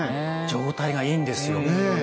状態がいいんですよ。